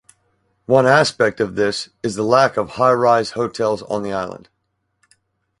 One aspect of this is the lack of "high rise" hotels on the island.